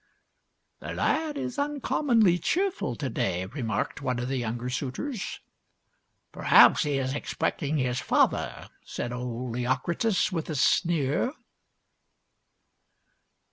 " The lad is uncommonly cheerful to day, " re marked one of the younger suitors. " Perhaps he is expecting his father," said old Leocritus, with a sneer.